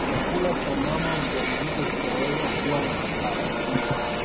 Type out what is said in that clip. chakula cha mama mjamzito kinaweza kuwa na athari kubwa